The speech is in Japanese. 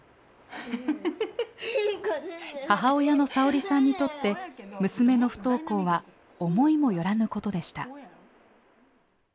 母親のさおりさんにとって娘の不登校は思いも寄らぬことでした。